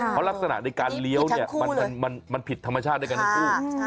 เพราะลักษณะในการเลี้ยวเนี่ยมันผิดธรรมชาติด้วยกันทั้งคู่